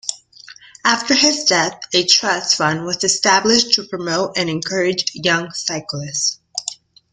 After his death, a trust fund was established to promote and encourage young cyclists.